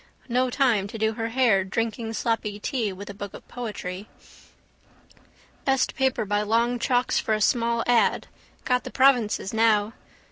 No time to do her hair drinking sloppy tea with a book of poetry. Best paper by long chalks for a small ad. Got the provinces now.